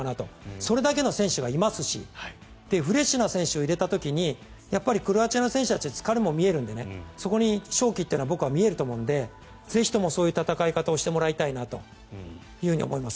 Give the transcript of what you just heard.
それだけの選手がいますしフレッシュな選手を入れた時にクロアチアの選手たちは疲れも見えるのでそこに勝機というのは見えると思うのでぜひともそういう戦い方をしてもらいたいなと思います。